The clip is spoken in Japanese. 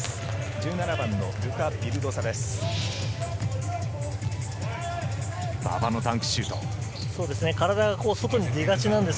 １７番のルカ・ビルドサです。